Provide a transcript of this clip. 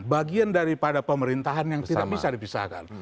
bagian daripada pemerintahan yang tidak bisa dipisahkan